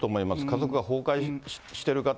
家族が崩壊してる方、